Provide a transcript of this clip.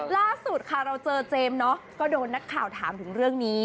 ล่าสุดค่ะเราเจอเจมส์เนาะก็โดนนักข่าวถามถึงเรื่องนี้